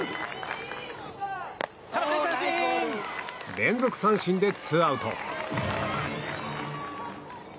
連続三振でツーアウト。